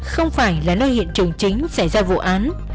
không phải là nơi hiện trường chính xảy ra vụ án